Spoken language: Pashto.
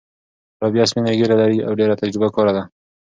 رابعه سپینه ږیره لري او ډېره تجربه کاره ده.